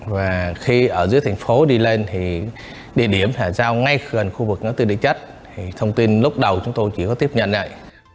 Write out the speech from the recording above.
và khi ở dưới thành phố đi lên thì địa điểm phải giao ngay gần khu vực nó tư địa chất thì thông tin lúc đầu chúng tôi chỉ có tiếp nhận đấy